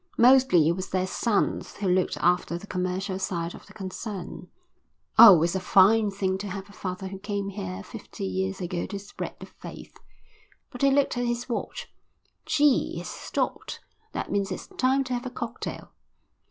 Mostly it was their sons who looked after the commercial side of the concern. Oh, it's a fine thing to have a father who came here fifty years ago to spread the faith." But he looked at his watch. "Gee, it's stopped. That means it's time to have a cocktail."